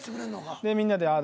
でみんなでああだ